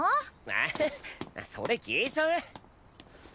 ええそれ聞いちゃう？